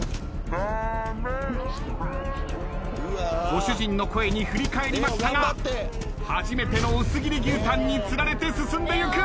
ご主人の声に振り返りましたが初めての薄切り牛タンにつられて進んでいく。